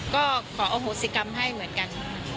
ก็ขออโหสิกรรมให้เหมือนกัน